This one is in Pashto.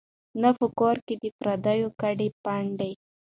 نه په کور کي د پردیو کډي پنډي